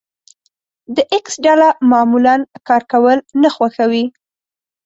د ايکس ډله معمولا کار کول نه خوښوي.